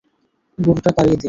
গরুটা তাড়িয়ে দিন।